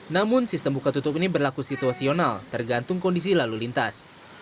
namun sistem buka tutup ini berlaku situasional tergantung kondisi lalu lintas